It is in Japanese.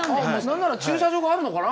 なんなら駐車場があるのかな。